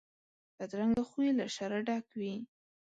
بدرنګه خوی له شره ډک وي